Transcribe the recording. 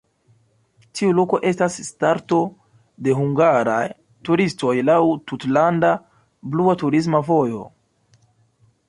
Tiu loko estas starto de hungaraj turistoj laŭ "tutlanda blua turisma vojo".